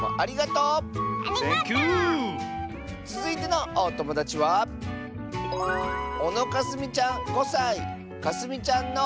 つづいてのおともだちはかすみちゃんの。